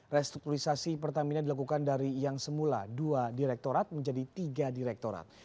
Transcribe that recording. restrukturisasi pertamina dilakukan dari yang semula dua direktorat menjadi tiga direktorat